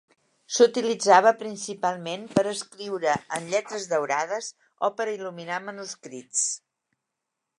S'utilitzava principalment per escriure en lletres daurades o per il·luminar manuscrits.